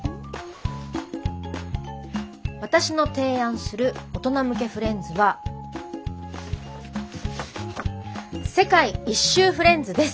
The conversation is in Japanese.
私の提案する大人向けフレンズは世界一周フレンズです。